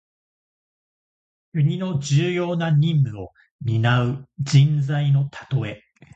国の重要な任務をになう人材のたとえ。